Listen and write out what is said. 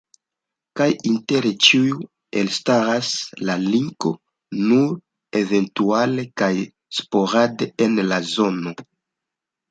Kaj inter ĉiuj elstaras la Linko, nur eventuale kaj sporade en la zono.